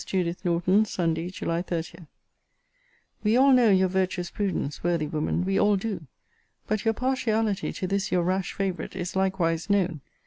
JUDITH NORTON SUNDAY, JULY 30. We all know your virtuous prudence, worthy woman: we all do. But your partiality to this your rash favourite is likewise known.